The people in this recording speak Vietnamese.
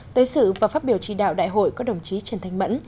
tới sự và phát biểu chỉ đạo đại hội có đồng chí trần thanh mẫn